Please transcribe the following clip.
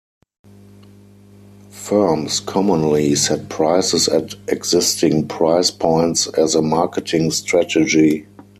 Firms commonly set prices at existing price-points as a marketing strategy.